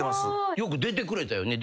よく出てくれたよね。